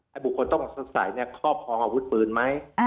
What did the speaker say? ให้บุคคลต้องสับสายข้อพร้องอาวุธปืนมั้ย